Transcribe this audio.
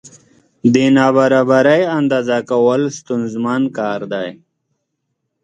د نابرابرۍ اندازه کول ستونزمن کار دی.